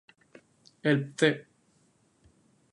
El Pte.